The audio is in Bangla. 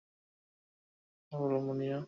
মনের রহস্য জানিতে হইলেও এই একই উপায় অবলম্বনীয়।